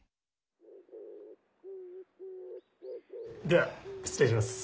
では失礼します。